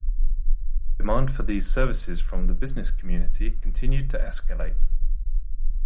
Demand for these services from the business community continued to escalate.